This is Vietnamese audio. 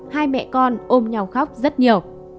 hai mẹ con ôm nhau khóc rất nhiều